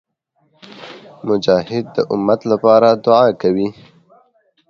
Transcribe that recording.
مجاهد د امت لپاره دعا کوي.